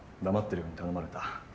黙っているように頼まれた。